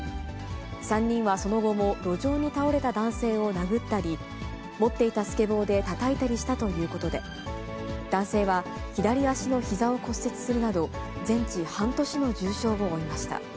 ３人はその後も路上に倒れた男性を殴ったり、持っていたスケボーでたたいたりしたということで、男性は左足のひざを骨折するなど、全治半年の重傷を負いました。